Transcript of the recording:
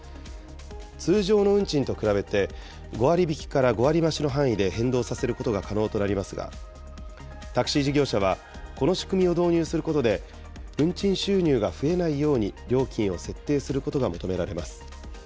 通常の運賃と比べて、５割引きから５割増しの範囲で変動させることが可能となりますが、タクシー事業者は、この仕組みを導入することで、運賃収入が増えないように料金を設定することが求められます。